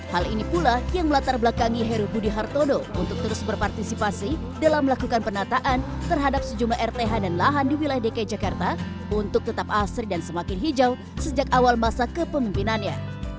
hal ini pula yang melatar belakangi heru budi hartodo untuk terus berpartisipasi dalam melakukan penataan terhadap sejumlah rth dan lahan di wilayah dki jakarta untuk tetap asri dan semakin hijau sejak awal masa kepemimpinannya